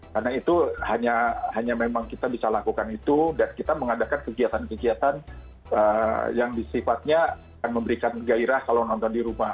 karena itu hanya memang kita bisa lakukan itu dan kita mengadakan kegiatan kegiatan yang sifatnya memberikan gairah kalau nonton di rumah